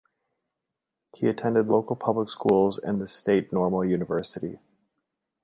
He attended local public schools and the state normal university.